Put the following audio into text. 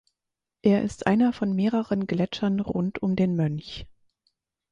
Er ist einer von mehreren Gletschern rund um den Mönch.